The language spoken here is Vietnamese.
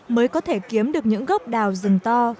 mới có thể kiếm được những gốc đào rừng to